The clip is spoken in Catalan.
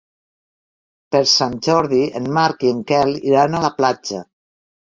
Per Sant Jordi en Marc i en Quel iran a la platja.